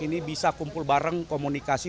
ini bisa kumpul bareng komunikasi